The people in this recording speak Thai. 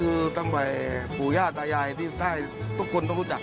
ซึ่งก็ตั้งไปป๋วยลาจยายที่ทุกคนต้องรู้จัก